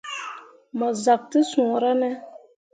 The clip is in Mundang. Mo zak te suura ne.